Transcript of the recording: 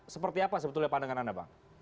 seperti apa sebetulnya pandangan anda bang